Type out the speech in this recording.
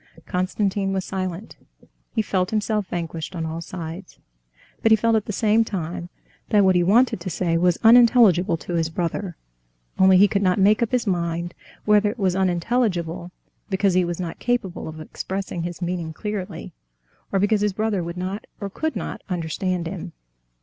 Konstantin was silent. He felt himself vanquished on all sides, but he felt at the same time that what he wanted to say was unintelligible to his brother. Only he could not make up his mind whether it was unintelligible because he was not capable of expressing his meaning clearly, or because his brother would not or could not understand him.